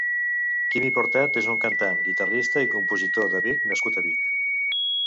Quimi Portet és un cantant, guitarrista i compositor de Vic nascut a Vic.